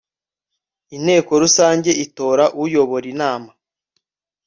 inteko rusange itora uyobora inama